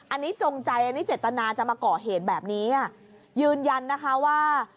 อันนี้จงใจอันนี้เจตนาจะมาก่อเหตุแบบนี้อ่ะยืนยันนะคะว่า